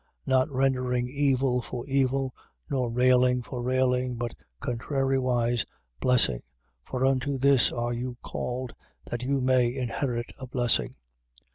Not rendering evil for evil, nor railing for railing, but contrariwise, blessing: for unto this are you called, that you may inherit a blessing.